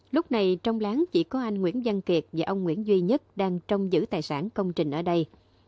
lúc này trong láng chỉ có anh nguyễn văn kiệt và ông nguyễn duy nhất đang trong giữ tài sản công trình ở đây